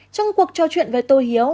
trong cuộc trò chuyện với tô hiếu